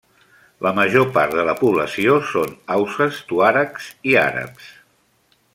La major part de la població són hausses, tuaregs i àrabs.